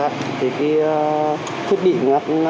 thì cái thiết bị ngắt